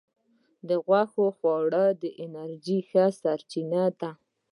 د غوښې خواړه د انرژی ښه سرچینه ده.